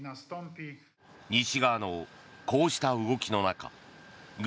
西側のこうした動きの中軍